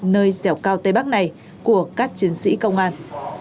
nơi dẻo cao tây bắc này của các chiến sĩ công an